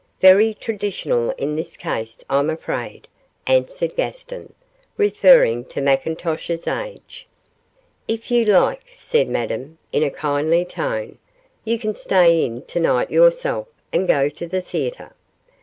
'Very traditional in this case, I'm afraid,' answered Gaston, referring to McIntosh's age. 'If you like,' said Madame, in a kindly tone, 'you can stay in to night yourself, and go to the theatre.